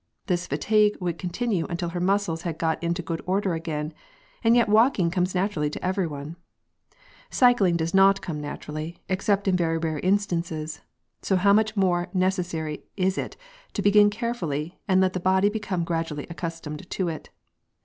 This fatigue would continue until her muscles had got into good order again, and yet walking comes naturally to everyone. Cycling does not come naturally, except in very rare instances, so how much more necessary is itto begin carefully, and let the body become gradually accustomed to it.